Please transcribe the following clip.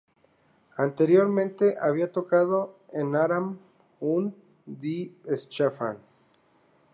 Anteriormente había tocado en Aram und die Schaffner.